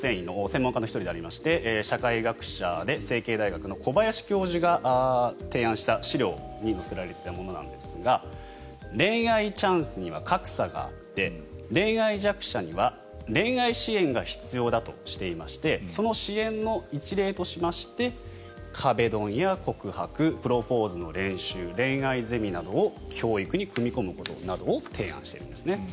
構成員の専門家の１人でありまして社会学者で成蹊大学の小林教授が提案した資料に載せられていたものなんですが恋愛チャンスには格差があって恋愛弱者には恋愛支援が必要だとしていましてその支援の１例として壁ドンや告白プロポーズの練習恋愛ゼミなどを教育に組み込むことなどを提案しているんですね。